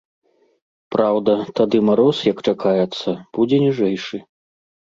Праўда, тады мароз, як чакаецца, будзе ніжэйшы.